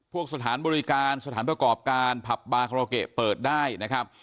พวกสถานบริการสถานประกอบการผับบาคาราเกะเปิดได้นะครับ